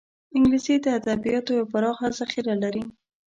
انګلیسي د ادبیاتو یوه پراخه ذخیره لري